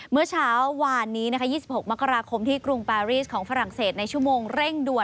เมื่อเช้าวานนี้๒๖มกราคมที่กรุงปารีสของฝรั่งเศสในชั่วโมงเร่งด่วน